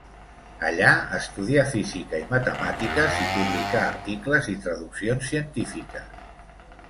Allà estudià física i matemàtiques i publicà articles i traduccions científiques.